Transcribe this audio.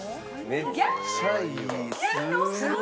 めっちゃいい。